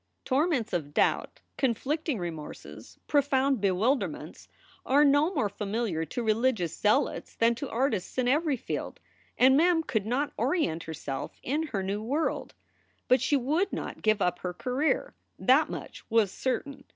Torments of doubt, conflicting remorses, profound bewil derments are no more familiar to religious zealots than to artists in every field. And Mem could not orient herself in her new world But she would not give up her career. That much was certain.